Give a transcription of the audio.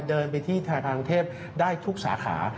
เดินไปที่ธนาคารกรุงเทพได้ทุกสาขา